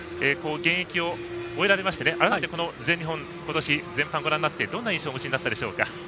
現役を終えられまして改めて、全日本ことし、ご覧になってどんな印象をお持ちになったでしょうか？